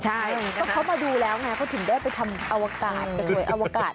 ใช่ก็เขามาดูแล้วไงเขาถึงได้ไปทำอวกาศ